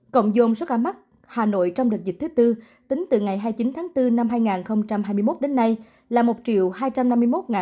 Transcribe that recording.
cộng dồn số ca mắc hà nội trong đợt dịch thứ tư tính từ ngày hai mươi chín tháng bốn năm hai nghìn hai mươi một đến nay là một hai trăm năm mươi một một trăm chín mươi ca